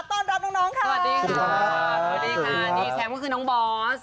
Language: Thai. ตอนรับน้องน้องค่ะสวัสดีค่ะสวัสดีค่ะนี่แชมป์ก็คือน้องบอส